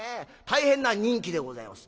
大変な人気でございます。